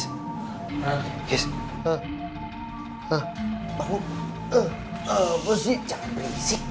apa sih jangan berisik